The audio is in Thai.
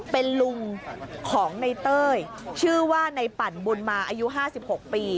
เป็นลุงของในเต้ยชื่อว่าในปั่นบุญมาอายุ๕๖ปี